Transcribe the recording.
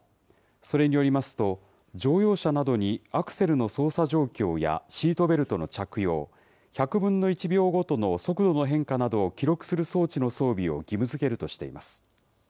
それによりますと、乗用車などにアクセルの捜査状況やシートベルトの着用、１００分の１秒ごとの速度の変化などを記録する装置の装備を義務づけるとしています。